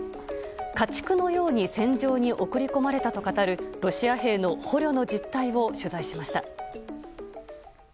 家畜のように戦場に送り込まれたと語るロシア兵の捕虜の実態を取材しました。